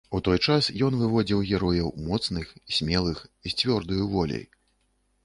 У той час ён выводзіў герояў моцных, смелых, з цвёрдаю воляй.